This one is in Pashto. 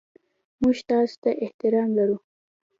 موږ تاسو ته احترام لرو.